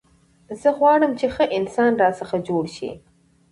زه غواړم، چي ښه انسان راڅخه جوړ سي.